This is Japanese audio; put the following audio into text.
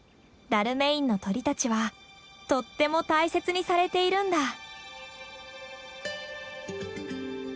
ダルメインの鳥たちはとっても大切にされているんだ。